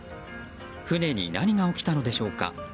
船に何が起きたのでしょうか。